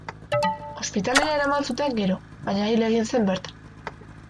Ospitalera eraman zuten gero, baina hil egin zen bertan.